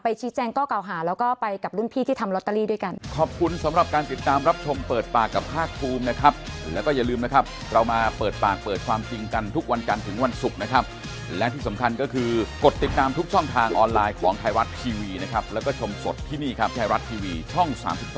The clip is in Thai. ชี้แจงก็เก่าหาแล้วก็ไปกับรุ่นพี่ที่ทำลอตเตอรี่ด้วยกัน